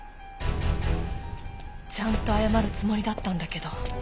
ちゃんと謝るつもりだったんだけど。